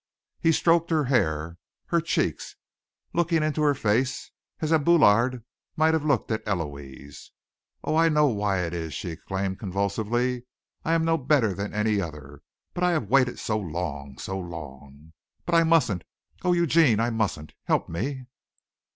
He stroked her hair, her cheeks, looking into her face as Abélard might have looked at Héloïse. "Oh, I know why it is," she exclaimed, convulsively. "I am no better than any other, but I have waited so long, so long! But I mustn't! Oh, Eugene, I mustn't! Help me!"